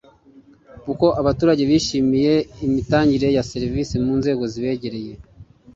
uko abaturage bishimiye imitangire ya serivisi mu nzego zibegereye